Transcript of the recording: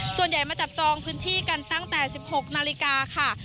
ส่วนใหญ่มาจับจองพื้นที่กันตั้งแต่๑๖นาฬิกาค่ะ